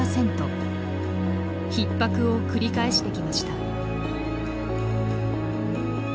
ひっ迫を繰り返してきました。